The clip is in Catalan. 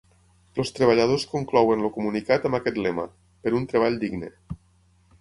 Els treballadors conclouen el comunicat amb aquest lema: Per un treball digne.